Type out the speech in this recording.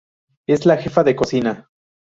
Es la jefa de cocina.